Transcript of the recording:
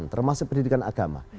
termasuk pendidikan agama